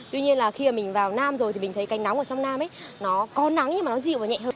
tuy nhiên là khi mà mình vào nam rồi thì mình thấy cành nóng ở trong nam ấy nó có nắng nhưng mà nó dịu và nhẹ hơn